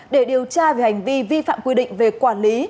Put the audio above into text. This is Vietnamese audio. để điều tra về hành vi vi phạm quy định về quản lý